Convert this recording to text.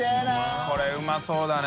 これうまそうだね。